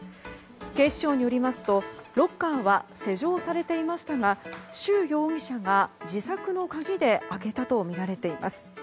警視庁によりますとロッカーは施錠されていましたがシュウ容疑者が自作の鍵で開けたとみられています。